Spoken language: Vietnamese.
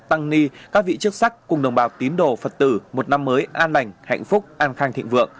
tăng ni các vị chức sắc cùng đồng bào tín đồ phật tử một năm mới an lành hạnh phúc an khang thịnh vượng